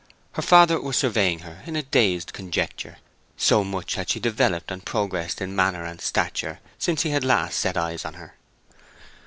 Her father was surveying her in a dazed conjecture, so much had she developed and progressed in manner and stature since he last had set eyes on her.